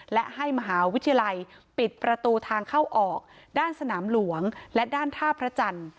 และให้มหาวิทยาลัยปิดประตูทางเข้าออกด้านสนามหลวงและด้านท่าพระจันทร์